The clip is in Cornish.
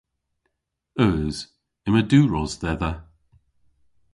Eus. Yma diwros dhedha.